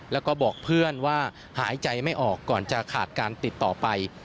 แล้วก็บอกเพื่อนว่าหายใจไม่ออกก่อนจะขาดการติดต่อไป